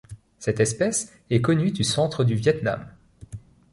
Cette espèce est connue du centre du Viêt Nam.